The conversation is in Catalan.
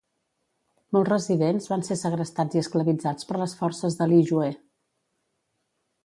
Molts residents van ser segrestats i esclavitzats per les forces de Li Jue.